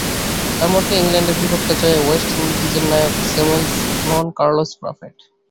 তাঁর মতে, ইংল্যান্ডের বিপক্ষে জয়ে ওয়েস্ট ইন্ডিজের নায়ক স্যামুয়েলস নন, কার্লোস ব্রাফেট।